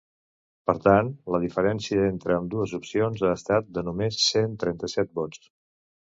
Per tant, la diferència entre ambdues opcions ha estat de només cent trenta-set vots.